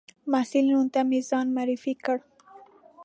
محصلینو ته مې ځان معرفي کړ.